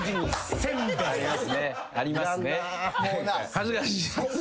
恥ずかしい。